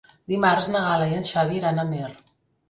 Dimarts na Gal·la i en Xavi iran a Amer.